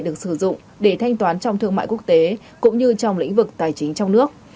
được sử dụng để thanh toán trong thương mại quốc tế cũng như trong lĩnh vực tài chính trong nước